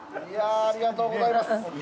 ◆ありがとうございます。